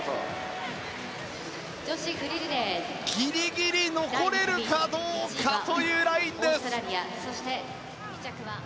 ギリギリ残れるかどうかというラインです。